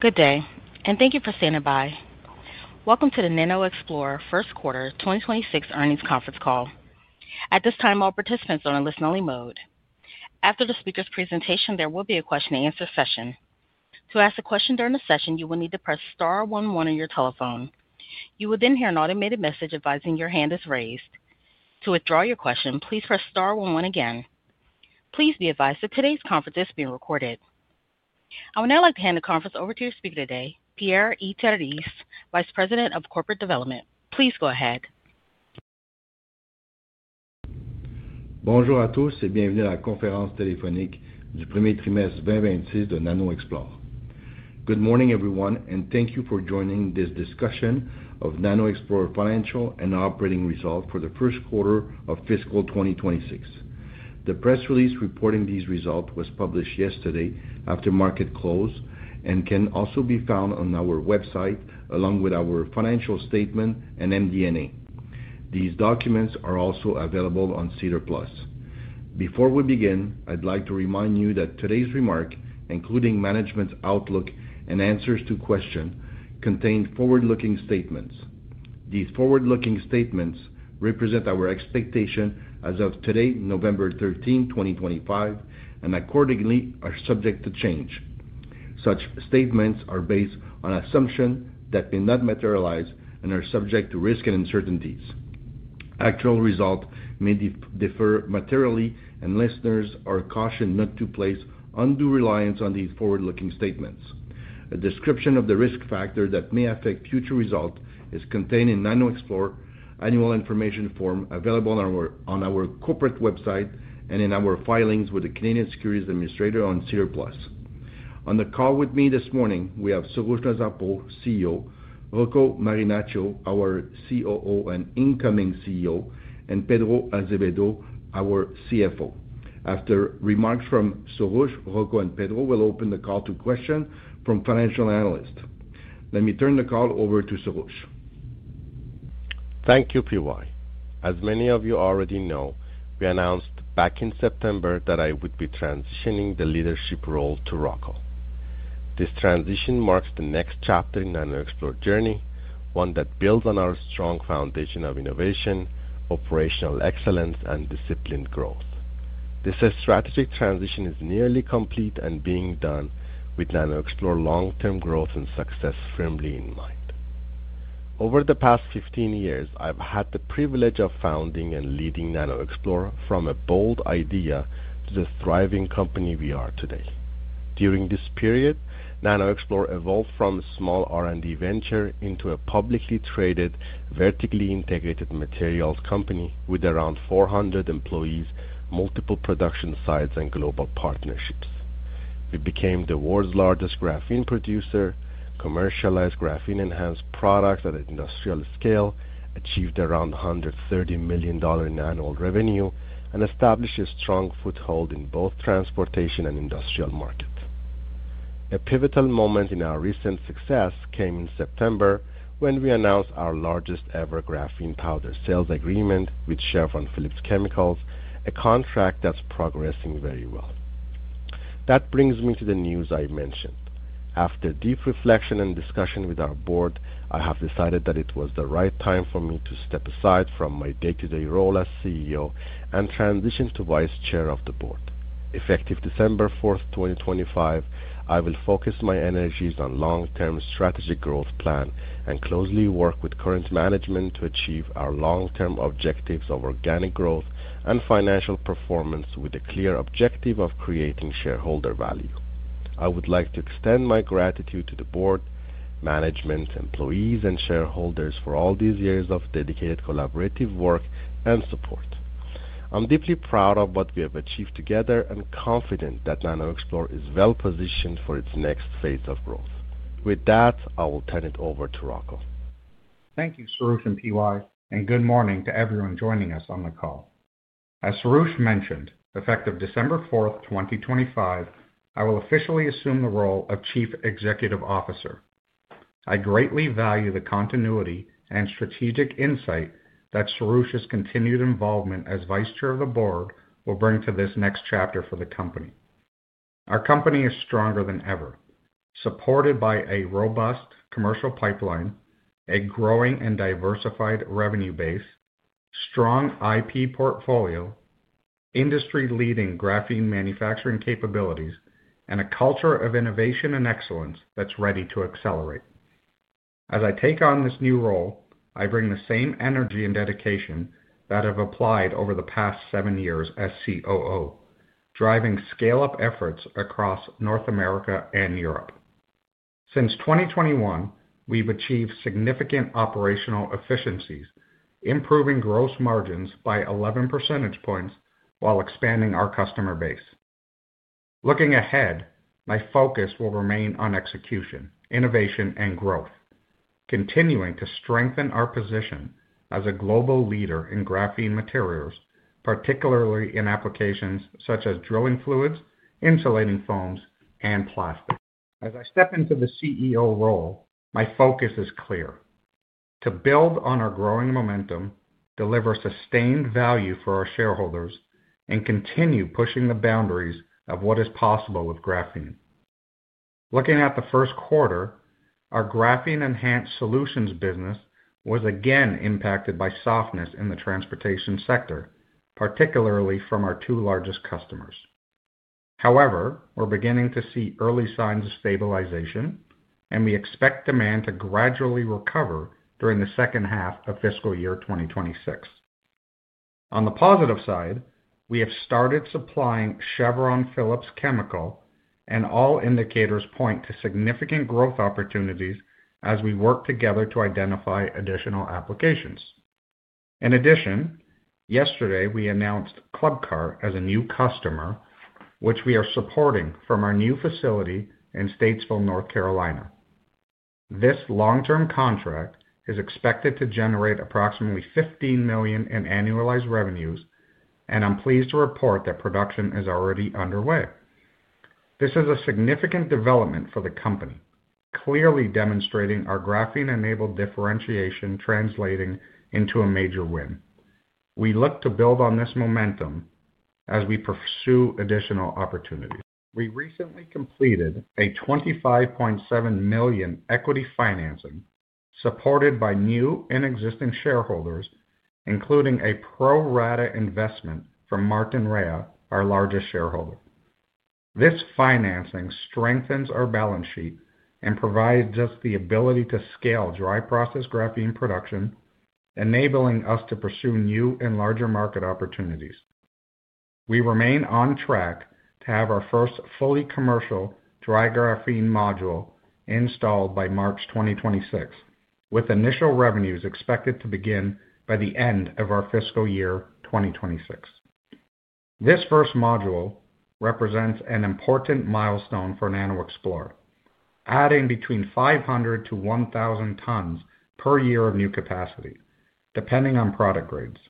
Good day, and thank you for standing by. Welcome to the NanoXplore first quarter 2026 earnings conference call. At this time, all participants are in listen-only mode. After the speaker's presentation, there will be a question-and-answer session. To ask a question during the session, you will need to press star 11 on your telephone. You will then hear an automated message advising your hand is raised. To withdraw your question, please press star 11 again. Please be advised that today's conference is being recorded. I would now like to hand the conference over to your speaker today, Pierre-Yves Terrisse, Vice President of Corporate Development. Please go ahead. Bonjour à tous et bienvenue à la conférence téléphonique du premier trimestre 2026 de NanoXplore. Good morning, everyone, and thank you for joining this discussion of NanoXplore financial and operating results for the first quarter of fiscal 2026. The press release reporting these results was published yesterday after market close and can also be found on our website along with our financial statement and MD&A. These documents are also available on SEDAR+. Before we begin, I'd like to remind you that today's remark, including management's outlook and answers to questions, contains forward-looking statements. These forward-looking statements represent our expectation as of today, November 13, 2025, and accordingly are subject to change. Such statements are based on assumptions that may not materialize and are subject to risk and uncertainties. Actual results may differ materially, and listeners are cautioned not to place undue reliance on these forward-looking statements. A description of the risk factors that may affect future results is contained in NanoXplore annual information form available on our corporate website and in our filings with the Canadian Securities Administration on SEDAR+. On the call with me this morning, we have Soroush Nazarpour, CEO; Rocco Marinaccio, our COO and incoming CEO; and Pedro Azevedo, our CFO. After remarks from Soroush, Rocco, and Pedro, we'll open the call to questions from financial analysts. Let me turn the call over to Soroush. Thank you, PY. As many of you already know, we announced back in September that I would be transitioning the leadership role to Rocco. This transition marks the next chapter in NanoXplore's journey, one that builds on our strong foundation of innovation, operational excellence, and disciplined growth. This strategic transition is nearly complete and being done with NanoXplore's long-term growth and success firmly in mind. Over the past 15 years, I've had the privilege of founding and leading NanoXplore from a bold idea to the thriving company we are today. During this period, NanoXplore evolved from a small R&D venture into a publicly traded, vertically integrated materials company with around 400 employees, multiple production sites, and global partnerships. We became the world's largest graphene producer, commercialized graphene-enhanced products at an industrial scale, achieved around 130 million dollar in annual revenue, and established a strong foothold in both transportation and industrial markets. A pivotal moment in our recent success came in September when we announced our largest-ever graphene powder sales agreement with Chevron Phillips Chemical, a contract that's progressing very well. That brings me to the news I mentioned. After deep reflection and discussion with our board, I have decided that it was the right time for me to step aside from my day-to-day role as CEO and transition to Vice Chair of the Board. Effective December 4, 2025, I will focus my energies on a long-term strategic growth plan and closely work with current management to achieve our long-term objectives of organic growth and financial performance with a clear objective of creating shareholder value. I would like to extend my gratitude to the board, management, employees, and shareholders for all these years of dedicated collaborative work and support. I'm deeply proud of what we have achieved together and confident that NanoXplore is well-positioned for its next phase of growth. With that, I will turn it over to Rocco. Thank you, Soroush and PY, and good morning to everyone joining us on the call. As Soroush mentioned, effective December 4, 2025, I will officially assume the role of Chief Executive Officer. I greatly value the continuity and strategic insight that Soroush's continued involvement as Vice Chair of the Board will bring to this next chapter for the company. Our company is stronger than ever, supported by a robust commercial pipeline, a growing and diversified revenue base, a strong IP portfolio, industry-leading graphene manufacturing capabilities, and a culture of innovation and excellence that's ready to accelerate. As I take on this new role, I bring the same energy and dedication that I've applied over the past seven years as COO, driving scale-up efforts across North America and Europe. Since 2021, we've achieved significant operational efficiencies, improving gross margins by 11% percentage points while expanding our customer base. Looking ahead, my focus will remain on execution, innovation, and growth, continuing to strengthen our position as a global leader in graphene materials, particularly in applications such as drilling fluids, insulating foams, and plastics. As I step into the CEO role, my focus is clear: to build on our growing momentum, deliver sustained value for our shareholders, and continue pushing the boundaries of what is possible with graphene. Looking at the first quarter, our graphene-enhanced solutions business was again impacted by softness in the transportation sector, particularly from our two largest customers. However, we're beginning to see early signs of stabilization, and we expect demand to gradually recover during the second half of fiscal year 2026. On the positive side, we have started supplying Chevron Phillips Chemical, and all indicators point to significant growth opportunities as we work together to identify additional applications. In addition, yesterday we announced Club Car as a new customer, which we are supporting from our new facility in Statesville, North Carolina. This long-term contract is expected to generate approximately 15 million in annualized revenues, and I'm pleased to report that production is already underway. This is a significant development for the company, clearly demonstrating our graphene-enabled differentiation translating into a major win. We look to build on this momentum as we pursue additional opportunities. We recently completed a 25.7 million equity financing supported by new and existing shareholders, including a pro-rata investment from Martin Rea, our largest shareholder. This financing strengthens our balance sheet and provides us the ability to scale dry process graphene production, enabling us to pursue new and larger market opportunities. We remain on track to have our first fully commercial dry graphene module installed by March 2026, with initial revenues expected to begin by the end of our fiscal year 2026. This first module represents an important milestone for NanoXplore, adding between 500-1,000 tons per year of new capacity, depending on product grades.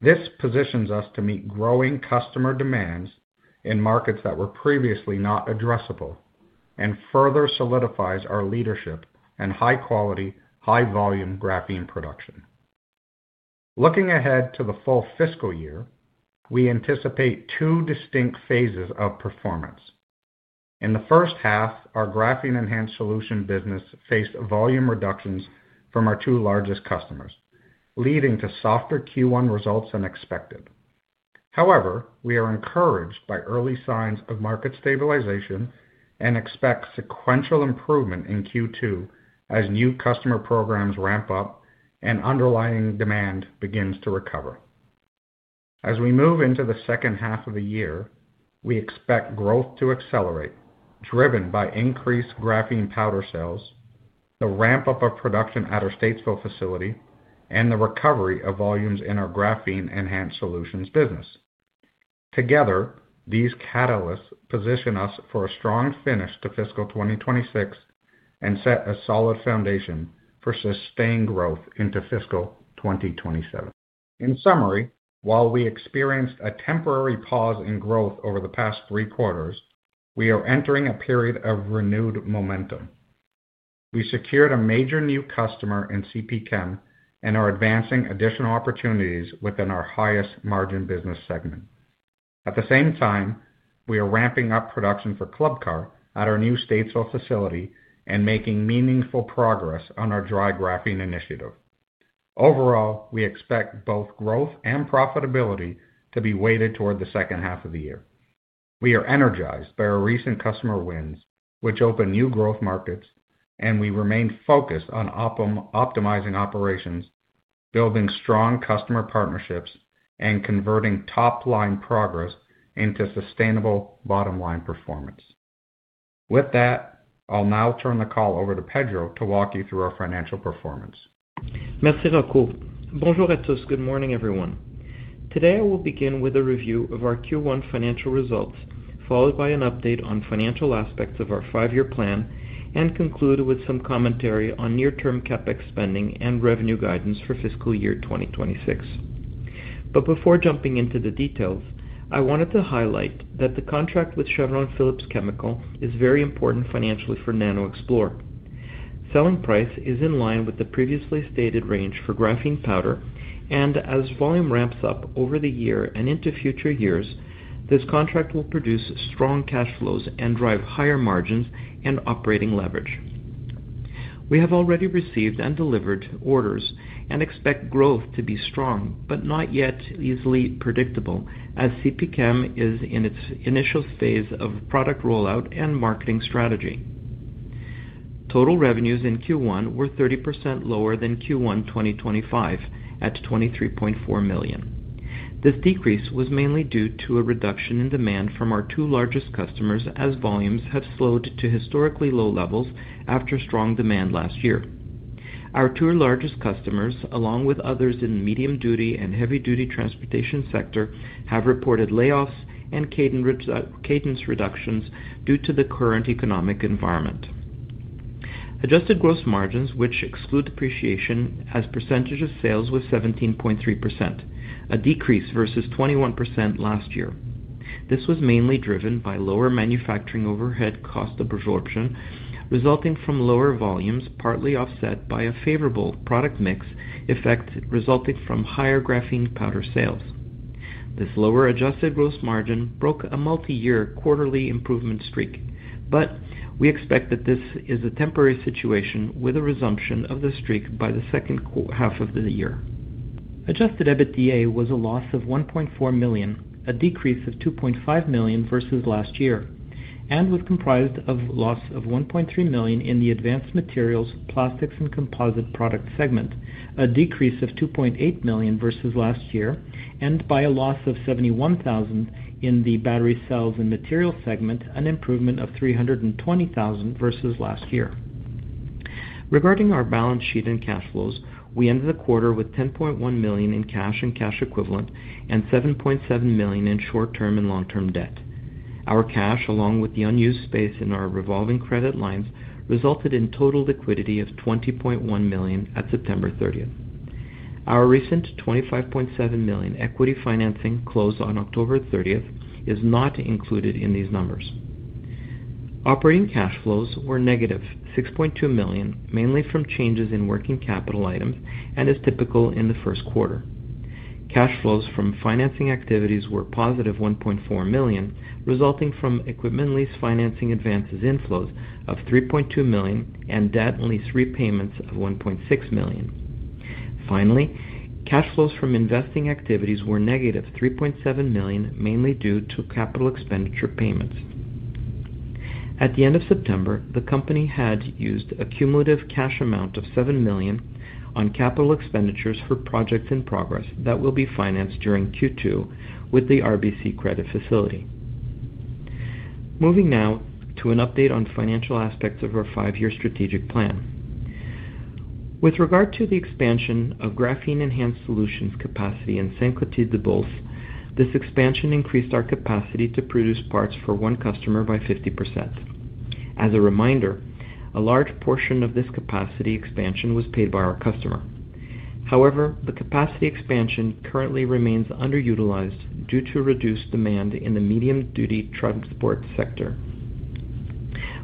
This positions us to meet growing customer demands in markets that were previously not addressable and further solidifies our leadership and high-quality, high-volume graphene production. Looking ahead to the full fiscal year, we anticipate two distinct phases of performance. In the first half, our graphene-enhanced solution business faced volume reductions from our two largest customers, leading to softer Q1 results than expected. However, we are encouraged by early signs of market stabilization and expect sequential improvement in Q2 as new customer programs ramp up and underlying demand begins to recover. As we move into the second half of the year, we expect growth to accelerate, driven by increased graphene powder sales, the ramp-up of production at our Statesville facility, and the recovery of volumes in our graphene-enhanced solutions business. Together, these catalysts position us for a strong finish to fiscal 2026 and set a solid foundation for sustained growth into fiscal 2027. In summary, while we experienced a temporary pause in growth over the past three quarters, we are entering a period of renewed momentum. We secured a major new customer in Chevron Phillips Chemical and are advancing additional opportunities within our highest-margin business segment. At the same time, we are ramping up production for Club Car at our new Statesville facility and making meaningful progress on our dry process graphene initiative. Overall, we expect both growth and profitability to be weighted toward the second half of the year. We are energized by our recent customer wins, which open new growth markets, and we remain focused on optimizing operations, building strong customer partnerships, and converting top-line progress into sustainable bottom-line performance. With that, I'll now turn the call over to Pedro to walk you through our financial performance. Merci beaucoup. Bonjour à tous. Good morning, everyone. Today, I will begin with a review of our Q1 financial results, followed by an update on financial aspects of our five-year plan, and conclude with some commentary on near-term CapEx spending and revenue guidance for fiscal year 2026. Before jumping into the details, I wanted to highlight that the contract with Chevron Phillips Chemical is very important financially for NanoXplore. Selling price is in line with the previously stated range for graphene powder, and as volume ramps up over the year and into future years, this contract will produce strong cash flows and drive higher margins and operating leverage. We have already received and delivered orders and expect growth to be strong but not yet easily predictable as Chevron Phillips Chemical is in its initial phase of product rollout and marketing strategy. Total revenues in Q1 were 30% lower than Q1 2023 at 23.4 million. This decrease was mainly due to a reduction in demand from our two largest customers as volumes have slowed to historically low levels after strong demand last year. Our two largest customers, along with others in the medium-duty and heavy-duty transportation sector, have reported layoffs and cadence reductions due to the current economic environment. Adjusted gross margins, which exclude depreciation, as percentage of sales was 17.3%, a decrease versus 21% last year. This was mainly driven by lower manufacturing overhead cost absorption resulting from lower volumes, partly offset by a favorable product mix effect resulting from higher graphene powder sales. This lower adjusted gross margin broke a multi-year quarterly improvement streak, but we expect that this is a temporary situation with a resumption of the streak by the second half of the year. Adjusted EBITDA was a loss of 1.4 million, a decrease of 2.5 million versus last year, and was comprised of a loss of 1.3 million in the advanced materials, plastics, and composite product segment, a decrease of 2.8 million versus last year, and by a loss of 71,000 in the battery cells and materials segment, an improvement of 320,000 versus last year. Regarding our balance sheet and cash flows, we ended the quarter with 10.1 million in cash and cash equivalent and 7.7 million in short-term and long-term debt. Our cash, along with the unused space in our revolving credit lines, resulted in total liquidity of 20.1 million at September 30. Our recent 25.7 million equity financing close on October 30 is not included in these numbers. Operating cash flows were negative 6.2 million, mainly from changes in working capital items and is typical in the first quarter. Cash flows from financing activities were positive 1.4 million, resulting from equipment lease financing advances inflows of 3.2 million and debt and lease repayments of 1.6 million. Finally, cash flows from investing activities were negative 3.7 million, mainly due to capital expenditure payments. At the end of September, the company had used a cumulative cash amount of 7 million on capital expenditures for projects in progress that will be financed during Q2 with the RBC Credit Facility. Moving now to an update on financial aspects of our five-year strategic plan. With regard to the expansion of graphene-enhanced solutions capacity in Saint-Clotilde-de-Beauce, this expansion increased our capacity to produce parts for one customer by 50%. As a reminder, a large portion of this capacity expansion was paid by our customer. However, the capacity expansion currently remains underutilized due to reduced demand in the medium-duty transport sector.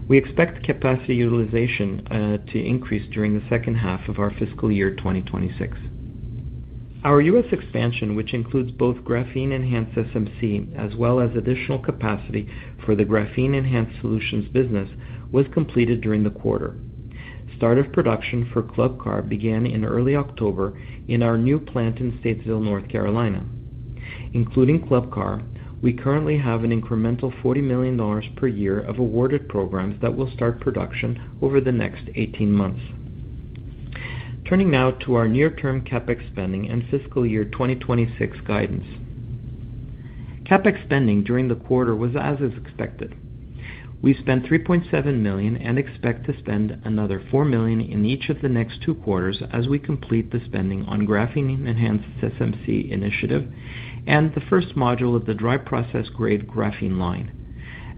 We expect capacity utilization to increase during the second half of our fiscal year 2026. Our U.S. expansion, which includes both graphene-enhanced SMC as well as additional capacity for the graphene-enhanced solutions business, was completed during the quarter. Start of production for Club Car began in early October in our new plant in Statesville, North Carolina. Including Club Car, we currently have an incremental 40 million dollars per year of awarded programs that will start production over the next 18 months. Turning now to our near-term CapEx spending and fiscal year 2026 guidance. CapEx spending during the quarter was as is expected. We spent 3.7 million and expect to spend another 4 million in each of the next two quarters as we complete the spending on graphene-enhanced SMC initiative and the first module of the dry process grade graphene line.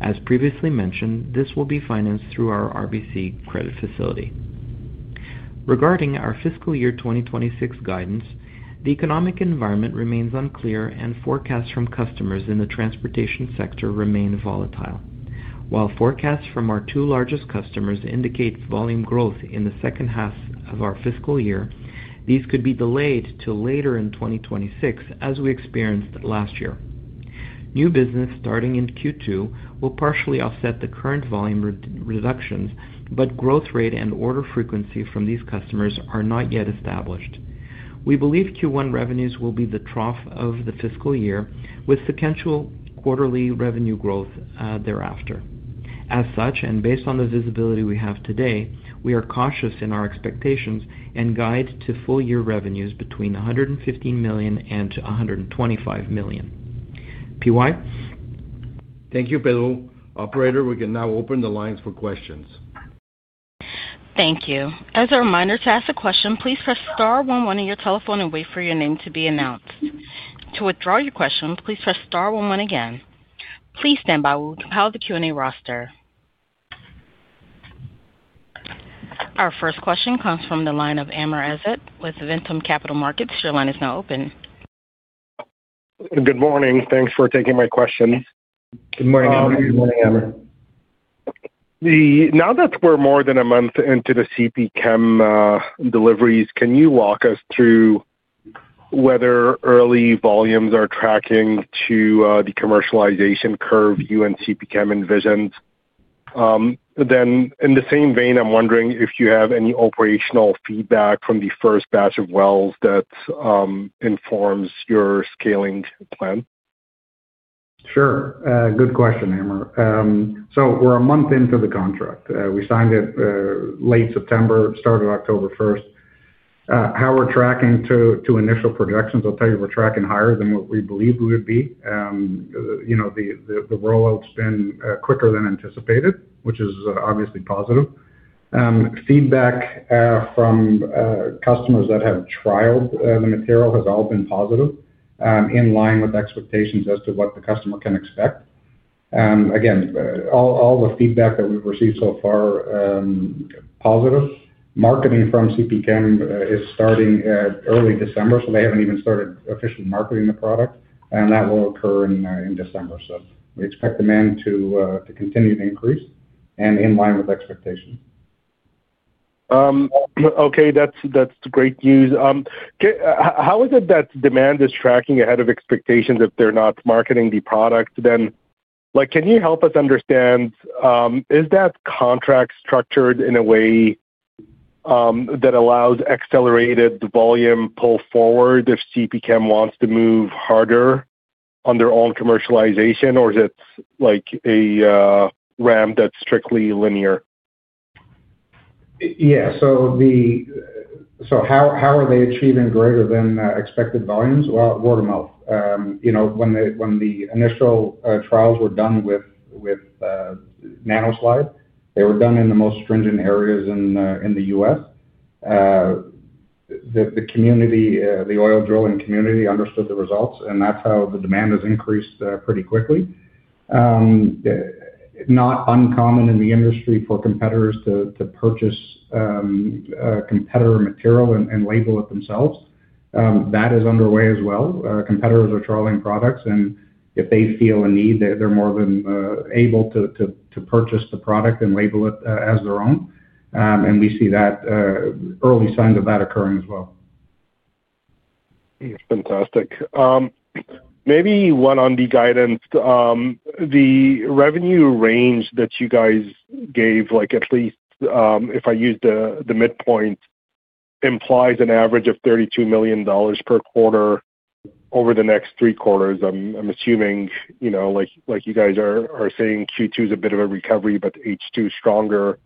As previously mentioned, this will be financed through our RBC Credit Facility. Regarding our fiscal year 2026 guidance, the economic environment remains unclear and forecasts from customers in the transportation sector remain volatile. While forecasts from our two largest customers indicate volume growth in the second half of our fiscal year, these could be delayed to later in 2026 as we experienced last year. New business starting in Q2 will partially offset the current volume reductions, but growth rate and order frequency from these customers are not yet established. We believe Q1 revenues will be the trough of the fiscal year with potential quarterly revenue growth thereafter. As such, and based on the visibility we have today, we are cautious in our expectations and guide to full-year revenues between 115 million and 125 million. PY. Thank you, Pedro. Operator, we can now open the lines for questions. Thank you. As a reminder to ask a question, please press star 11 on your telephone and wait for your name to be announced. To withdraw your question, please press star 11 again. Please stand by while we compile the Q&A roster. Our first question comes from the line of Amr Ezzat with Ventum Capital Markets. Your line is now open. Good morning. Thanks for taking my question. Good morning, Amr. Now that we're more than a month into the CP Chem deliveries, can you walk us through whether early volumes are tracking to the commercialization curve you and CP Chem envisioned? In the same vein, I'm wondering if you have any operational feedback from the first batch of wells that informs your scaling plan. Sure. Good question, Amr. We are a month into the contract. We signed it late September, started October 1. How we are tracking to initial projections, I will tell you, we are tracking higher than what we believed we would be. The rollout has been quicker than anticipated, which is obviously positive. Feedback from customers that have trialed the material has all been positive, in line with expectations as to what the customer can expect. Again, all the feedback that we have received so far, positive. Marketing from CP Chem is starting early December, so they have not even started officially marketing the product, and that will occur in December. We expect demand to continue to increase and in line with expectations. Okay. That's great news. How is it that demand is tracking ahead of expectations if they're not marketing the product then? Can you help us understand, is that contract structured in a way that allows accelerated volume pull forward if CP Chem wants to move harder on their own commercialization, or is it a ramp that's strictly linear? Yeah. How are they achieving greater than expected volumes? Word of mouth. When the initial trials were done with NanoSlide, they were done in the most stringent areas in the U.S. The oil drilling community understood the results, and that is how the demand has increased pretty quickly. It is not uncommon in the industry for competitors to purchase competitor material and label it themselves. That is underway as well. Competitors are trialing products, and if they feel a need, they are more than able to purchase the product and label it as their own. We see early signs of that occurring as well. Fantastic. Maybe one on the guidance. The revenue range that you guys gave, at least if I use the midpoint, implies an average of 32 million dollars per quarter over the next three quarters. I'm assuming, like you guys are saying, Q2 is a bit of a recovery, but H2 is stronger.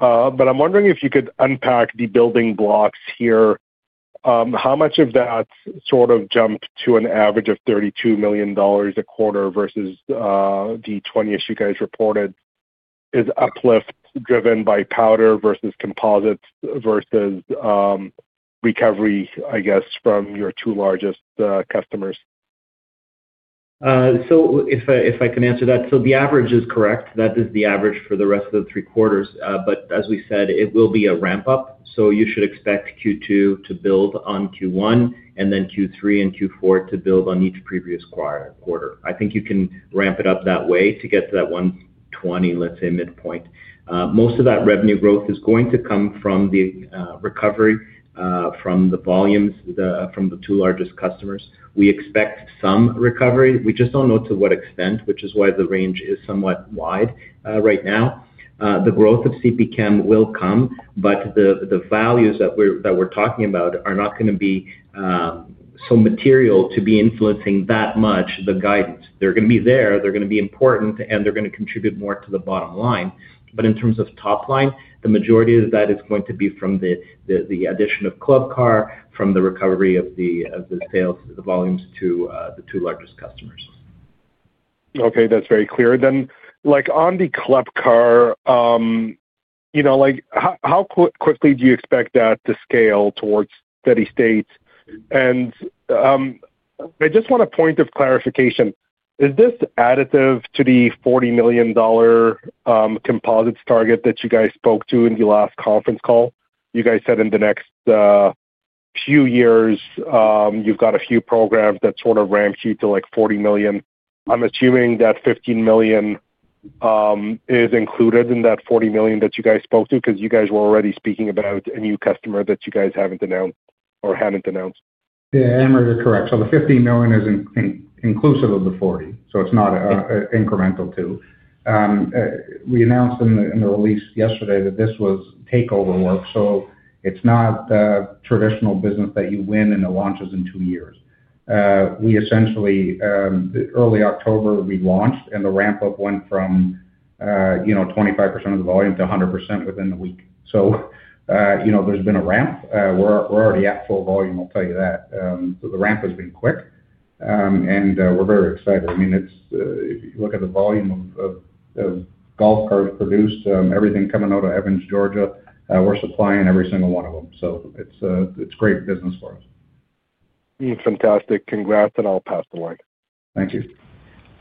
I'm wondering if you could unpack the building blocks here. How much of that sort of jump to an average of 32 million dollars a quarter versus the 20ish you guys reported is uplift driven by powder versus composites versus recovery, I guess, from your two largest customers? If I can answer that, the average is correct. That is the average for the rest of the three quarters. As we said, it will be a ramp-up. You should expect Q2 to build on Q1 and then Q3 and Q4 to build on each previous quarter. I think you can ramp it up that way to get to that 120, let's say, midpoint. Most of that revenue growth is going to come from the recovery from the volumes from the two largest customers. We expect some recovery. We just don't know to what extent, which is why the range is somewhat wide right now. The growth of CP Chem will come, but the values that we're talking about are not going to be so material to be influencing that much the guidance. They're going to be there. They're going to be important, and they're going to contribute more to the bottom line. In terms of top line, the majority of that is going to be from the addition of Club Car, from the recovery of the sales, the volumes to the two largest customers. Okay. That's very clear. On the Club Car, how quickly do you expect that to scale towards steady state? I just want a point of clarification. Is this additive to the 40 million dollar composites target that you guys spoke to in the last conference call? You guys said in the next few years, you've got a few programs that sort of ramp you to 40 million. I'm assuming that 15 million is included in that 40 million that you guys spoke to because you guys were already speaking about a new customer that you guys haven't announced or hadn't announced. Yeah. Amr is correct. The 15 million is inclusive of the 40 million. It is not incremental to. We announced in the release yesterday that this was takeover work. It is not traditional business that you win and it launches in two years. We essentially, early October, we launched, and the ramp-up went from 25% of the volume to 100% within the week. There has been a ramp. We are already at full volume, I will tell you that. The ramp has been quick, and we are very excited. I mean, if you look at the volume of golf carts produced, everything coming out of Evans, Georgia, we are supplying every single one of them. It is great business for us. Fantastic. Congrats. I'll pass the line. Thank you.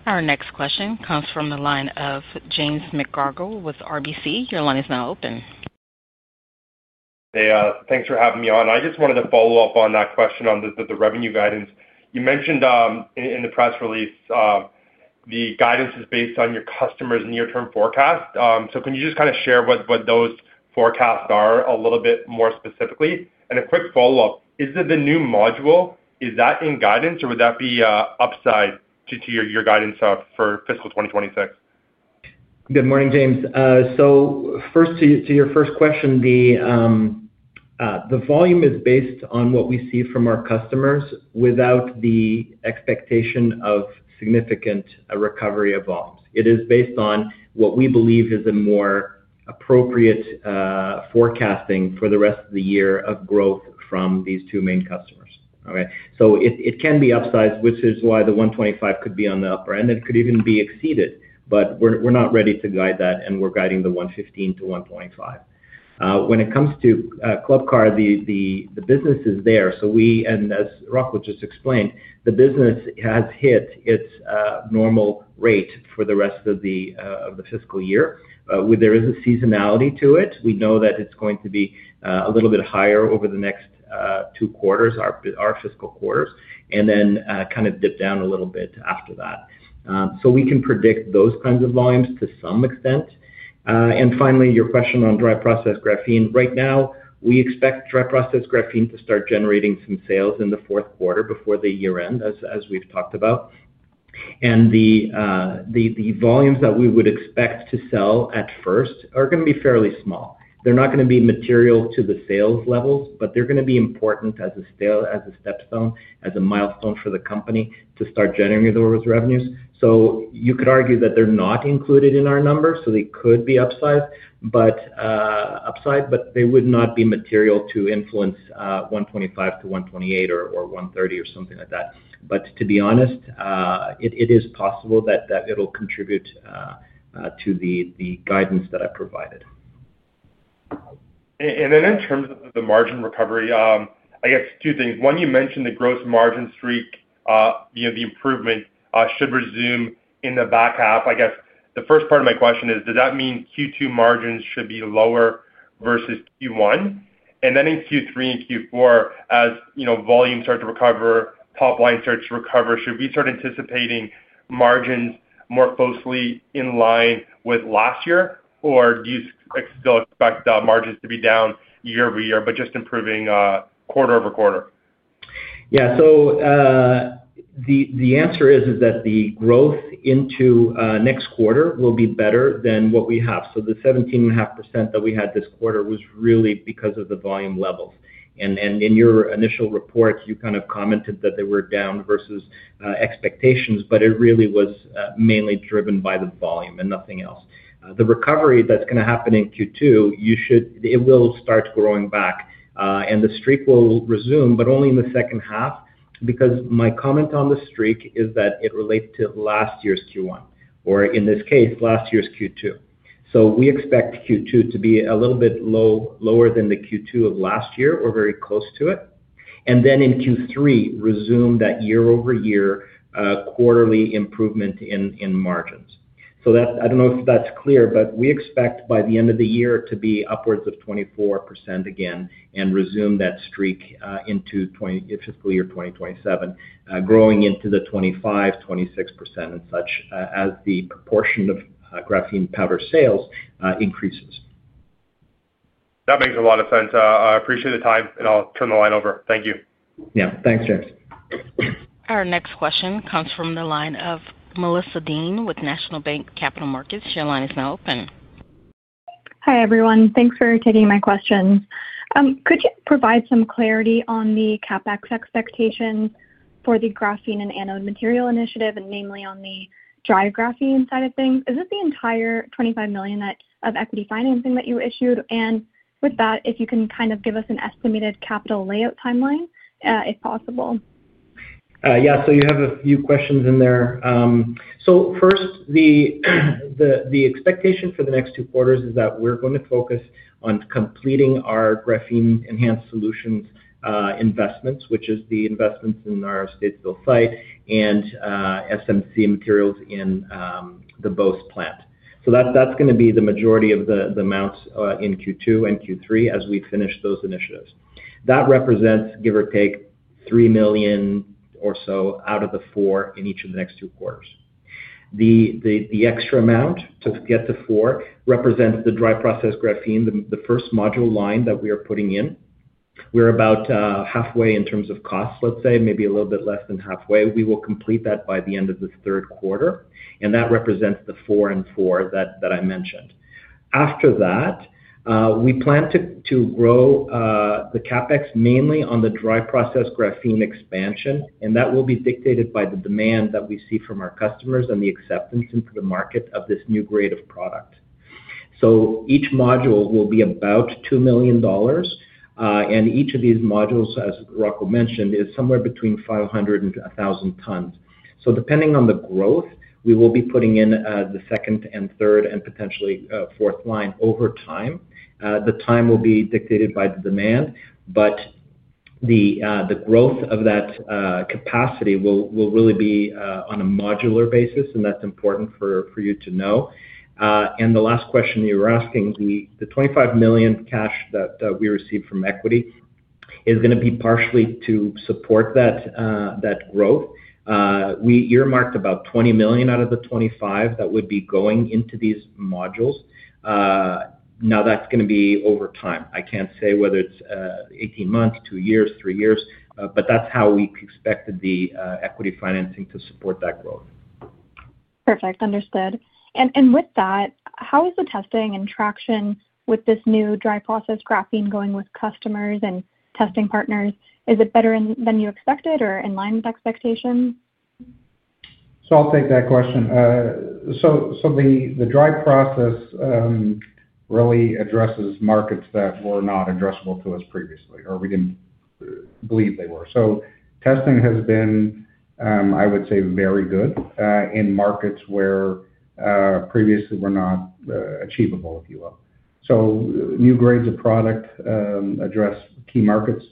Our next question comes from the line of James McGargle with RBC. Your line is now open. Thanks for having me on. I just wanted to follow up on that question on the revenue guidance. You mentioned in the press release the guidance is based on your customer's near-term forecast. Can you just kind of share what those forecasts are a little bit more specifically? A quick follow-up. Is the new module, is that in guidance, or would that be upside to your guidance for fiscal 2026? Good morning, James. To your first question, the volume is based on what we see from our customers without the expectation of significant recovery of volumes. It is based on what we believe is a more appropriate forecasting for the rest of the year of growth from these two main customers. It can be upsized, which is why the 125 could be on the upper end. It could even be exceeded, but we're not ready to guide that, and we're guiding the 115-125. When it comes to Club Car, the business is there. As Rocco just explained, the business has hit its normal rate for the rest of the fiscal year. There is a seasonality to it. We know that it's going to be a little bit higher over the next two quarters, our fiscal quarters, and then kind of dip down a little bit after that. We can predict those kinds of volumes to some extent. Finally, your question on dry processed graphene. Right now, we expect dry processed graphene to start generating some sales in the fourth quarter before the year-end, as we've talked about. The volumes that we would expect to sell at first are going to be fairly small. They're not going to be material to the sales levels, but they're going to be important as a stepstone, as a milestone for the company to start generating those revenues. You could argue that they're not included in our numbers, so they could be upside, but they would not be material to influence 125-128 or 130 or something like that. To be honest, it is possible that it'll contribute to the guidance that I provided. In terms of the margin recovery, I guess two things. One, you mentioned the gross margin streak, the improvement should resume in the back half. I guess the first part of my question is, does that mean Q2 margins should be lower versus Q1? In Q3 and Q4, as volume starts to recover, top line starts to recover, should we start anticipating margins more closely in line with last year, or do you still expect margins to be down year over year, but just improving quarter over quarter? Yeah. The answer is that the growth into next quarter will be better than what we have. The 17.5% that we had this quarter was really because of the volume levels. In your initial report, you kind of commented that they were down versus expectations, but it really was mainly driven by the volume and nothing else. The recovery that is going to happen in Q2, it will start growing back, and the streak will resume, but only in the second half because my comment on the streak is that it relates to last year's Q1, or in this case, last year's Q2. We expect Q2 to be a little bit lower than the Q2 of last year or very close to it. In Q3, resume that year-over-year quarterly improvement in margins. I don't know if that's clear, but we expect by the end of the year to be upwards of 24% again and resume that streak into fiscal year 2027, growing into the 25%-26% and such as the proportion of graphene powder sales increases. That makes a lot of sense. I appreciate the time, and I'll turn the line over. Thank you. Yeah. Thanks, James. Our next question comes from the line of Melissa Dean with National Bank Capital Markets. Your line is now open. Hi everyone. Thanks for taking my questions. Could you provide some clarity on the CapEx expectations for the graphene and anode material initiative, and namely on the dry graphene side of things? Is it the entire 25 million of equity financing that you issued? If you can kind of give us an estimated capital layout timeline, if possible. Yeah. You have a few questions in there. First, the expectation for the next two quarters is that we're going to focus on completing our graphene-enhanced solutions investments, which is the investments in our Statesville site and SMC materials in the Bose plant. That is going to be the majority of the amounts in Q2 and Q3 as we finish those initiatives. That represents, give or take, 3 million or so out of the 4 million in each of the next two quarters. The extra amount to get to 4 million represents the dry process graphene, the first module line that we are putting in. We're about halfway in terms of costs, maybe a little bit less than halfway. We will complete that by the end of the third quarter. That represents the 4 million and 4 million that I mentioned. After that, we plan to grow the CapEx mainly on the dry process graphene expansion, and that will be dictated by the demand that we see from our customers and the acceptance into the market of this new grade of product. Each module will be about 2 million dollars, and each of these modules, as Rocco mentioned, is somewhere between 500 and 1,000 tons. Depending on the growth, we will be putting in the second and third and potentially fourth line over time. The time will be dictated by the demand, but the growth of that capacity will really be on a modular basis, and that's important for you to know. The last question you were asking, the 25 million cash that we received from equity is going to be partially to support that growth. We earmarked about 20 million out of the 25 million that would be going into these modules. Now, that's going to be over time. I can't say whether it's 18 months, 2 years, 3 years, but that's how we expected the equity financing to support that growth. Perfect. Understood. With that, how is the testing and traction with this new dry process graphene going with customers and testing partners? Is it better than you expected or in line with expectations? I'll take that question. The dry process really addresses markets that were not addressable to us previously, or we didn't believe they were. Testing has been, I would say, very good in markets where previously were not achievable, if you will. New grades of product address key markets,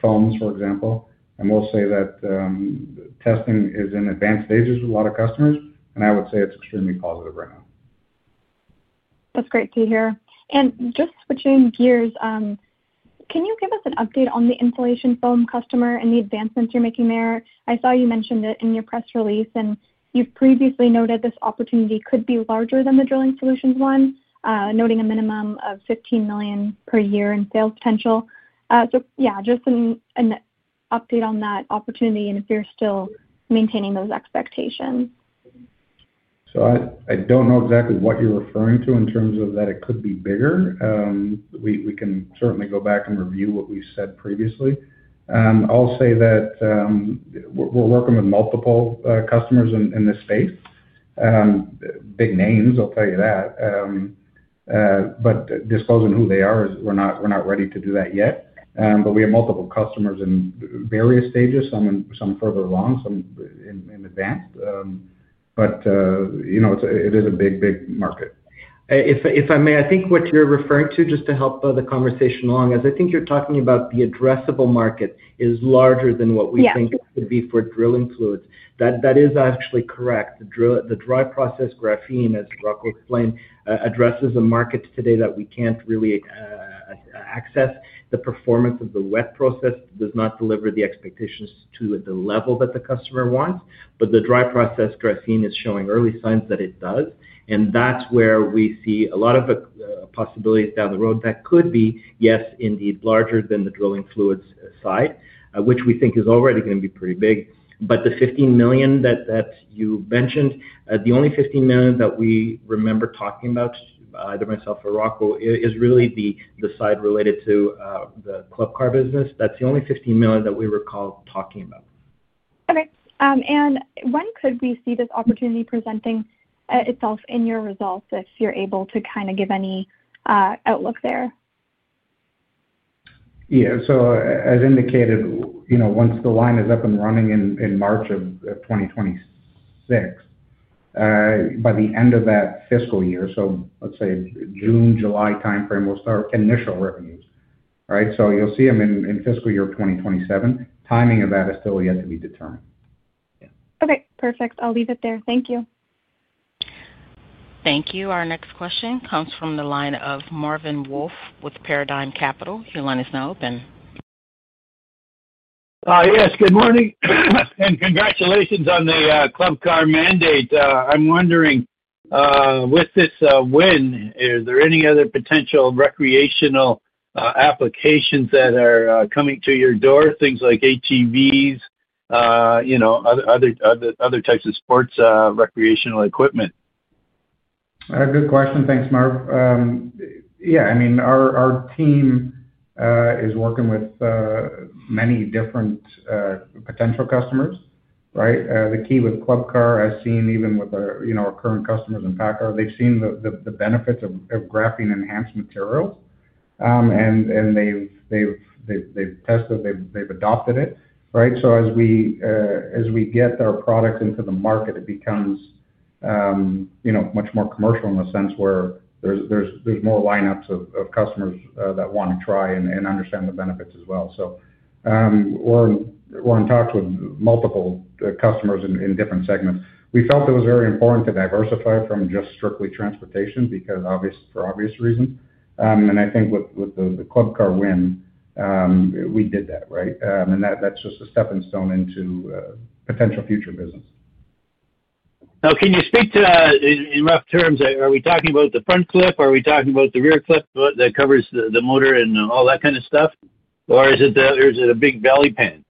foams, for example. I'll say that testing is in advanced stages with a lot of customers, and I would say it's extremely positive right now. That's great to hear. Just switching gears, can you give us an update on the insulation foam customer and the advancements you're making there? I saw you mentioned it in your press release, and you've previously noted this opportunity could be larger than the drilling solutions one, noting a minimum of 15 million per year in sales potential. Yeah, just an update on that opportunity and if you're still maintaining those expectations. I do not know exactly what you are referring to in terms of that it could be bigger. We can certainly go back and review what we have said previously. I will say that we are working with multiple customers in this space, big names, I will tell you that. Disclosing who they are, we are not ready to do that yet. We have multiple customers in various stages, some further along, some in advance. It is a big, big market. If I may, I think what you're referring to, just to help the conversation along, is I think you're talking about the addressable market is larger than what we think could be for drilling fluids. That is actually correct. The dry process graphene, as Rocco explained, addresses a market today that we can't really access. The performance of the wet process does not deliver the expectations to the level that the customer wants, but the dry process graphene is showing early signs that it does. That's where we see a lot of possibilities down the road that could be, yes, indeed, larger than the drilling fluids side, which we think is already going to be pretty big. The 15 million that you mentioned, the only 15 million that we remember talking about, either myself or Rocco, is really the side related to the Club Car business. That's the only 15 million that we recall talking about. Okay. When could we see this opportunity presenting itself in your results if you're able to kind of give any outlook there? Yeah. As indicated, once the line is up and running in March of 2026, by the end of that fiscal year, so let's say June, July timeframe, we'll start initial revenues, right? You'll see them in fiscal year 2027. Timing of that is still yet to be determined. Okay. Perfect. I'll leave it there. Thank you. Thank you. Our next question comes from the line of Marvin Wolff with Paradigm Capital. Your line is now open. Yes. Good morning. Congratulations on the Club Car mandate. I'm wondering, with this win, is there any other potential recreational applications that are coming to your door, things like ATVs, other types of sports recreational equipment? Good question. Thanks, Marv. Yeah. I mean, our team is working with many different potential customers, right? The key with Club Car, I've seen even with our current customers in PACCAR, they've seen the benefits of graphene-enhanced materials, and they've tested it. They've adopted it, right? As we get our products into the market, it becomes much more commercial in the sense where there's more lineups of customers that want to try and understand the benefits as well. We are in talks with multiple customers in different segments. We felt it was very important to diversify from just strictly transportation for obvious reasons. I think with the Club Car win, we did that, right? That's just a stepping stone into potential future business. Now, can you speak to, in rough terms, are we talking about the front clip, or are we talking about the rear clip that covers the motor and all that kind of stuff? Or is it a big belly pan?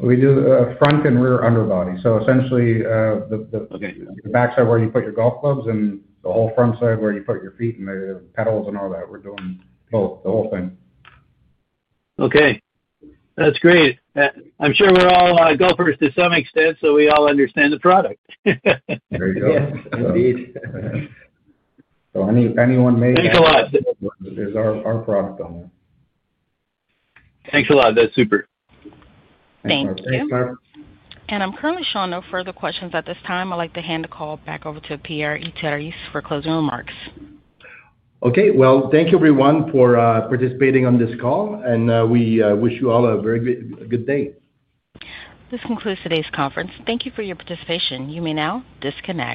We do front and rear underbody. So essentially, the backside where you put your golf clubs and the whole front side where you put your feet and the pedals and all that. We're doing both, the whole thing. Okay. That's great. I'm sure we're all golfers to some extent, so we all understand the product. There you go. Indeed. So anyone may. Thanks a lot. Is our product on there? Thanks a lot. That's super. Thanks. Thanks, Marv. I'm currently showing no further questions at this time. I'd like to hand the call back over to Pierre-Yves Terrisse for closing remarks. Okay. Thank you, everyone, for participating on this call, and we wish you all a very good day. This concludes today's conference. Thank you for your participation. You may now disconnect.